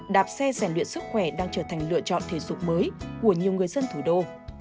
đạp xe giải luyện sức khỏe đang trở thành lựa chọn thể dục mới của nhiều người dân thủ đô